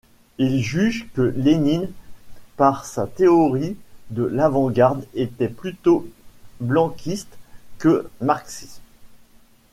Il juge que Lénine, par sa théorie de l’avant-garde, était plutôt blanquiste que marxiste.